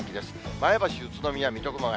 前橋、宇都宮、水戸、熊谷。